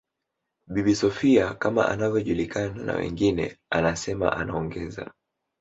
Bibi Sophia kama anavyojulikana na wengine anasema anaongeza